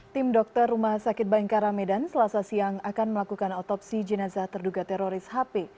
tim dokter rumah sakit bayangkara medan selasa siang akan melakukan otopsi jenazah terduga teroris hp